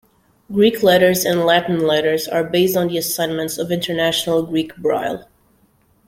Greek letters and Latin letters are based on the assignments of International Greek Braille.